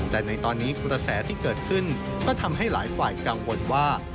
แต่ในตอนนี้กระแสที่เกิดขึ้นก็ทำให้หลายฝ่ายกังวลว่า